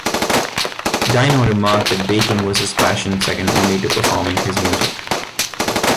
Dino remarked that baking was his passion second only to performing his music.